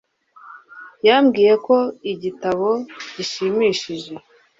Yambwiye ko igitabo gishimishije.